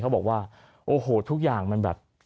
เขาบอกว่าโอ้โหทุกอย่างมันแบบ